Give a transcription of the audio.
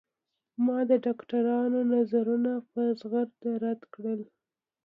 ما د ډاکترانو نظرونه په زغرده رد کړل.